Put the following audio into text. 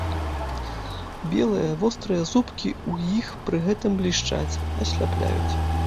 Белыя, вострыя зубкі ў іх пры гэтым блішчаць, асляпляюць.